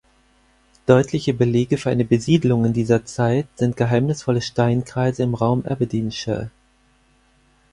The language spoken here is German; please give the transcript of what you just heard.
Deutliche Belege für eine Besiedlung in dieser Zeit sind geheimnisvolle Steinkreise im Raum Aberdeenshire.